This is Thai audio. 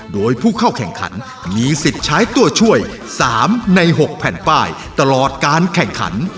โดยผู้เข้าแข่งขันมีสิทธิ์ใช้ตัวช่วย๓ใน๖แผ่นป้ายตลอดการแข่งขัน